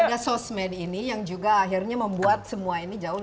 ya karena juga ada sosmed ini yang juga akhirnya membuat semua ini jauh lebih